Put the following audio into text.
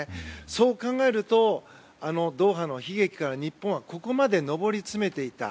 そう考えるとドーハの悲劇から日本はここまで上り詰めていた。